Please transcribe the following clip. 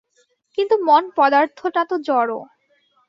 কিন্তু মন পদার্থটা তো জড়।